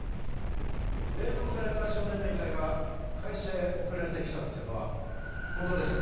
冷凍された少年の遺体が会社へ送られて来たっていうのは本当ですか？